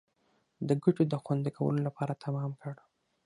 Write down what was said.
د ګټو د خوندي کولو لپاره تمام کړ.